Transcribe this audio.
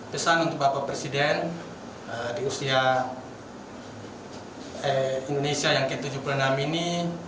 pesan untuk bapak presiden di usia indonesia yang ke tujuh puluh enam ini